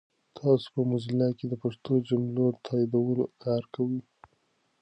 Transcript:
تاسو په موزیلا کې د پښتو جملو د تایدولو کار کوئ؟